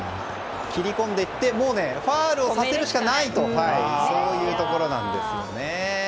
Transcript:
切り込んでいって、もうファウルさせるしかないというそういうところなんですよね。